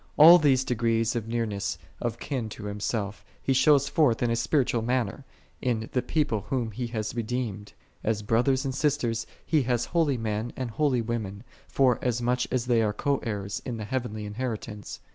All these degrees of nearness of kin to Himself, He shows forth in a spiritual manner, in the People whom He hath redeemed: as brothers and sisters He hath holy men and holy women, forasmuch as they all are co heirs in the heavenly inheritance.